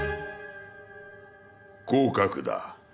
合格だ。